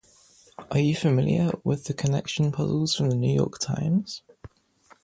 Are you familiar with the Connections puzzles from the New York Times?